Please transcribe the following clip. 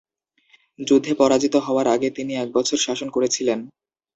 যুদ্ধে পরাজিত হওয়ার আগে তিনি এক বছর শাসন করেছিলেন।